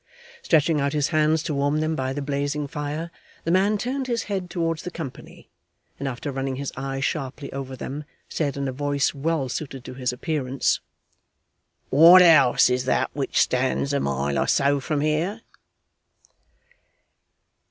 Stretching out his hands to warm them by the blazing fire, the man turned his head towards the company, and after running his eye sharply over them, said in a voice well suited to his appearance: 'What house is that which stands a mile or so from here?